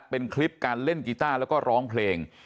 เป็นคลิปการเล่นกีต้าแล้วก็ร้องเพลง